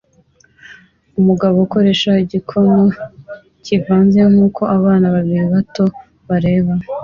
Umugabo ukoresha igikono kivanze nkuko abana babiri bato bareba